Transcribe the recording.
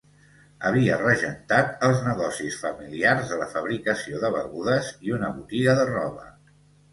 Havia regentat els negocis familiars de la fabricació de begudes i una botiga de roba.